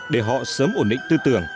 để họ sớm ổn định tư tưởng